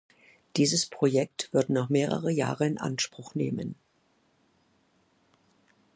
Dieses Projekt wird noch mehrere Jahre in Anspruch nehmen.